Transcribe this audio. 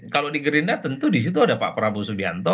kalau di gerinda tentu di situ ada pak prabowo subianto